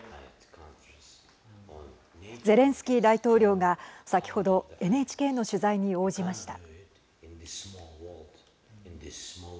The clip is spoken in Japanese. ゼレンスキー大統領が先ほどＮＨＫの取材に応じました。